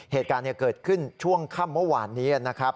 เหตุการณ์เกิดขึ้นช่วงค่ำเมื่อวานนี้นะครับ